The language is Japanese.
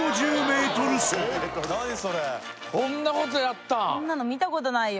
こんなことやったん？